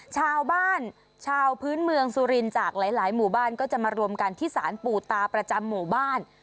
ชาวบ้านชาวพื้นเมืองสุรินทร์จากหลายหมู่บ้านก็จะมารวมกันที่สารปู่ตาประจำหมู่บ้าน